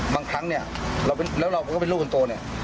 บางครั้งเนี่ยแล้วเราก็เป็นลูกคนโตเนี่ย